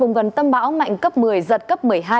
vùng gần tâm bão mạnh cấp một mươi giật cấp một mươi hai